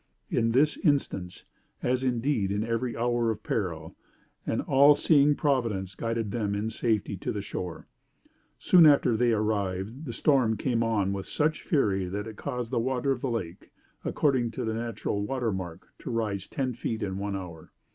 In this instance, as indeed in every hour of peril, an all seeing Providence guided them in safety to the shore. Soon after they arrived, the storm came on with such fury that it caused the water of the lake, according to the natural water mark, to rise ten feet in one hour.